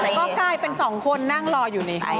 ก็กลายเป็นสองคนนั่งรออยู่ใน